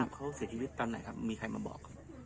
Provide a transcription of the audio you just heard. เขาเสียชีวิตตอนไหนครับมีใครมาบอก